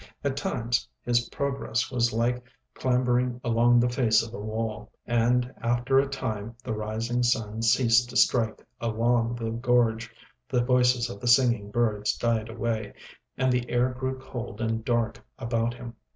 At times his progress was like clambering along the face of a wall, and after a time the rising sun ceased to strike along the gorge, the voices of the singing birds died away, and the air grew cold and dark about him.